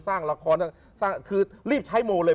สร้างละครคือรีบใช้โมเลย